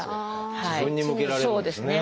自分に向けられるんですね。